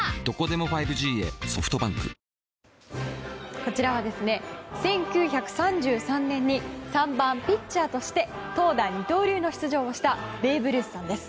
こちらは１９３３年に３番ピッチャーとして投打二刀流の出場をしたベーブ・ルースさんです。